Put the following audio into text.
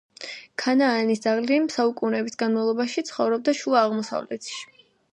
ქანაანის ძაღლი საუკუნეების განმავლობაში ცხოვრობდა შუა აღმოსავლეთში.